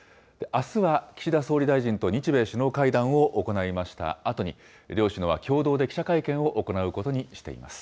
あすは岸田総理大臣と日米首脳会談を行いましたあとに、両首脳は共同で記者会見を行うことにしています。